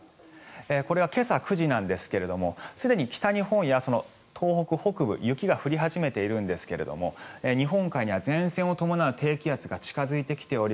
これは今朝９時なんですがすでに北日本や東北北部雪が降り始めているんですが日本海には前線を伴う低気圧が近付いてきており